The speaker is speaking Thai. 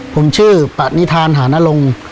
ผมชื่อปะนิทานหานลง